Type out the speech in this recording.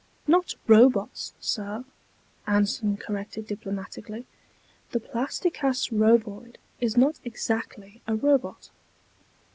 "Not robots, sir," Anson corrected diplomatically. "The Plasti Cast Roboid is not exactly a robot."